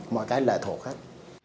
mọi cái lợi thuộc hết